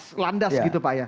lebih lepas landas gitu pak ya